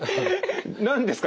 何ですか？